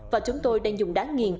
và chúng tôi đang dùng đá nghiền